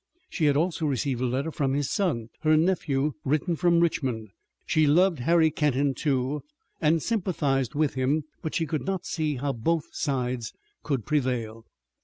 She had also received a letter from his son, her nephew, written from Richmond, She loved Harry Kenton, too, and sympathized with him, but she could not see how both sides could prevail.